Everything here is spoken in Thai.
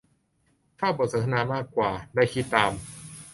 ชอบบทสนทนามากกว่า ได้คิดตาม